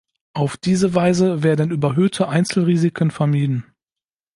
Auf diese Weise werden überhöhte Einzelrisiken vermieden.